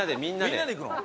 みんなで行くの？